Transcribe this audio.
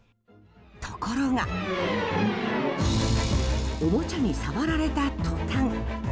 ところがおもちゃに触られた途端。